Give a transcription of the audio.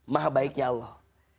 maha baiknya allah